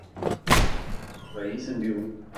Malpaís en vivo